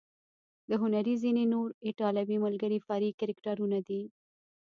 د هنري ځینې نور ایټالوي ملګري فرعي کرکټرونه دي.